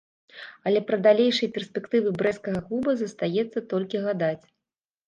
Але пра далейшыя перспектывы брэсцкага клуба застаецца толькі гадаць.